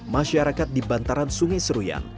masyarakat di bantaran sungai seruyan